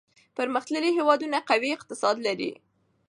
پرمختللي هېوادونه قوي اقتصاد لري.